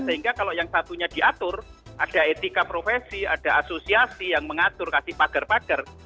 sehingga kalau yang satunya diatur ada etika profesi ada asosiasi yang mengatur kasih pagar pagar